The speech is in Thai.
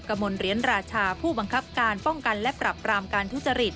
มลเหรียญราชาผู้บังคับการป้องกันและปรับปรามการทุจริต